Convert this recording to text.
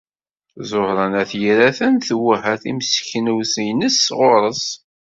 Ẓuhṛa n At Yiraten twehha timseknewt-nnes ɣur-s.